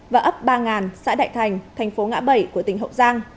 và ấp ba xã đại thành thành phố ngã bảy của tỉnh hậu giang